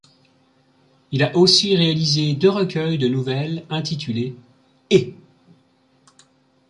Il a aussi réalisé deux recueils de nouvelles intitulées ' et '.